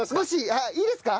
あっいいですか？